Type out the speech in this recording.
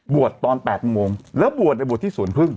บวชตอน๘โมงแล้วบวชในบวชที่๐๕